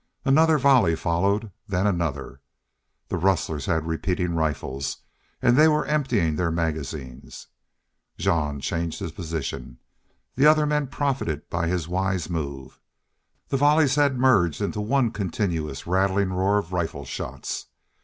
Another volley followed, then another. The rustlers had repeating rifles and they were emptying their magazines. Jean changed his position. The other men profited by his wise move. The volleys had merged into one continuous rattling roar of rifle shots.